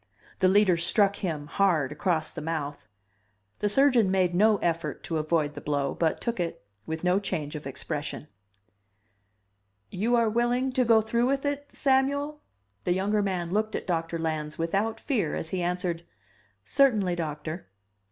The Leader struck him, hard, across the mouth. The surgeon made no effort to avoid the blow, but took it, with no change of expression. "YOU ARE WILLING TO GO THROUGH WITH IT, SAMUEL?" The younger man looked at Doctor Lans without fear as he answered, "Certainly, Doctor."